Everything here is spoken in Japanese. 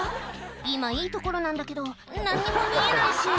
今いいところなんだけど、なんにも見えないし。